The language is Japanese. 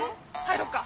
入ろうか。